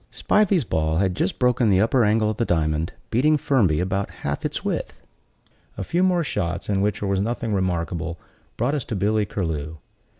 Spivey's ball had just broken the upper angle of the diamond; beating Firmby about half its width. A few more shots, in which there was nothing remarkable, brought us to Billy Curlew.